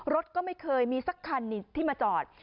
รถก็ไม่เคยมีสักคันที่มาจอด